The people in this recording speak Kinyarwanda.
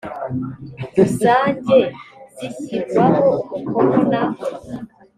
rusange zishyirwaho umukono na